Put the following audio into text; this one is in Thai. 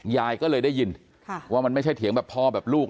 ยายก็เลยได้ยินว่ามันไม่ใช่เถียงแบบพ่อแบบลูก